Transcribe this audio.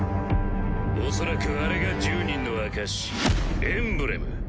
おそらくあれが１０人の証しエンブレム。